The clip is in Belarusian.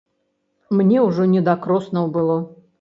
Мне ўжо не да кроснаў было.